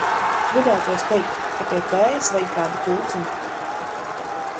Gribētos teikt, ka pie tējas vajag kādu kūciņu.